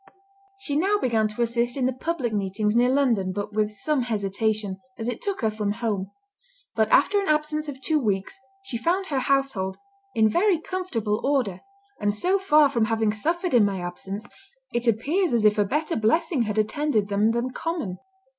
She now began to assist in the public meetings near London, but with some hesitation, as it took her from home; but after an absence of two weeks, she found her household "in very comfortable order; and so far from having suffered in my absence, it appears as if a better blessing had attended them than common."